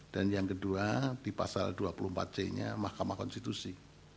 dan yang kedua di pasal dua puluh empat c nya mahkamah konstitusi